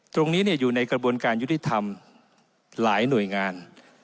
ตรงนี้อยู่ในกระบวนการยุติธรรมหลายหน่วยงาน